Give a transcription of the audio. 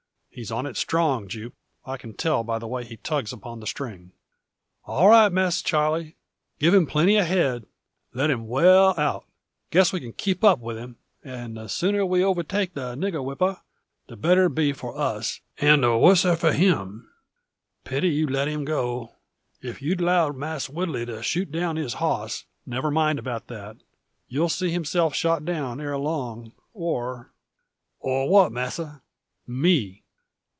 "He's on it strong, Jupe. I can tell by the way he tugs upon the string." "All right, Masser Charle. Give him plenty head. Let him well out. Guess we can keep up with him. An' the sooner we overtake the nigger whipper, the better it be for us, an' the worser for him. Pity you let him go. If you'd 'lowed Mass Woodley to shoot down his hoss " "Never mind about that. You'll see himself shot down ere long, or " "Or what, masser?" "Me!"